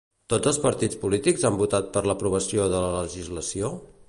Tots els partits polítics han votat per l'aprovació de la legislació?